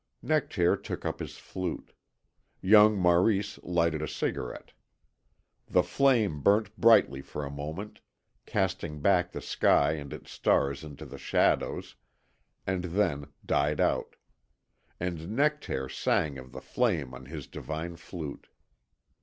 Nectaire took up his flute. Young Maurice lighted a cigarette. The flame burnt brightly for a moment, casting back the sky and its stars into the shadows, and then died out. And Nectaire sang of the flame on his divine flute.